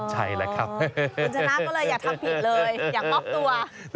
คนชนะก็เลยอยากทำผิดเลยอยากมอบตัว